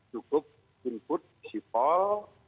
cukup input sipol